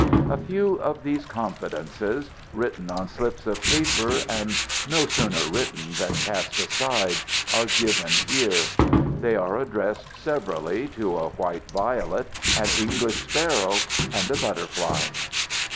A few of these confidences written on slips of paper, and no sooner written than cast aside are given here. They are addressed severally to a white violet, an English sparrow, and a butterfly.